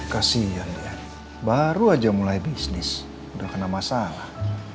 kasian ya baru aja mulai bisnis udah kena masalah